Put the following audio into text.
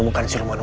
tunggu abis itu gor